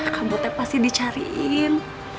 kamu tuh pasti dicariin